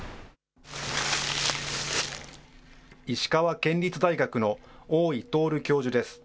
石川県立大学の大井徹教授です。